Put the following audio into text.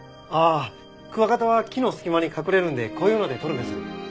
ああクワガタは木の隙間に隠れるんでこういうので捕るんです。